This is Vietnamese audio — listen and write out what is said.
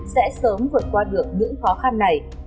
sẽ sớm vượt qua được những khó khăn này